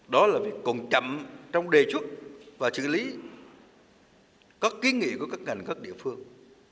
đó là việc còn chậm trong đề xuất và xử lý có ký nghĩa của các ngành các địa phương